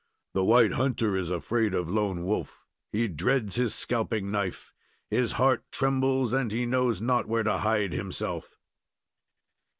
"The white hunter is afraid of Lone Wolf. He dreads his scalping knife. His heart trembles, and he knows not where to hide himself."